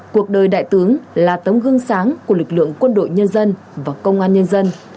cuộc đời đại tướng là tấm gương sáng của lực lượng quân đội nhân dân và công an nhân dân